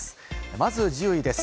まず１０位です。